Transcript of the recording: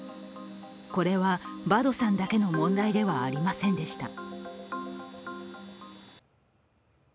これは、バドさんだけの問題ではありませんでした。